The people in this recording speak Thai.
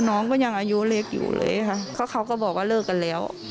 น้องก็ยังอายุเล็กอยู่เลยค่ะเขาก็บอกว่าเลิกกันแล้ว